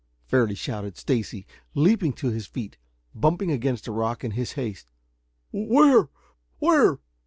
fairly shouted Stacy, leaping to his feet, bumping against a rock in his haste. "Where? Where?"